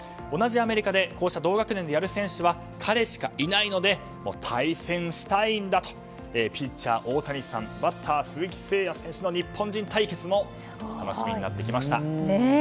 同じアメリカでこうした同学年でやる選手は彼しかいないので対戦したいんだとピッチャーオオタニサンバッター鈴木誠也選手の日本人対決も楽しみになってきました。